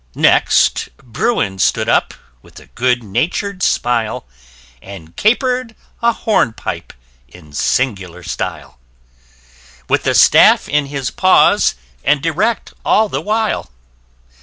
Next Bruin stood up with a good natur'd smile, } And caper'd a horn pipe, in singular style, } With a staff in his paws, and erect all the while.